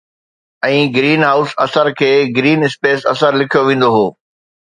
۽ greenhouse اثر کي green space اثر لکيو ويندو هو